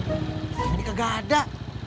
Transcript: ini kagak ada